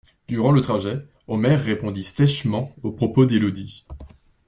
Durant le trajet, Omer répondit sèchement aux propos d'Élodie.